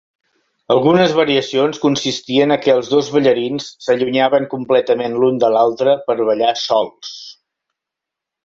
Algunes variacions consistien a que els dos ballarins s'allunyaven completament l'un de l'altre per ballar "sols".